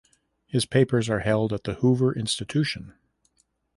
His papers are held at the Hoover Institution.